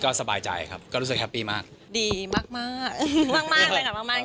ก็ก็สบายใจครับก็รู้สึกแฮปปี้มากดีมากมากมากมากเลยครับ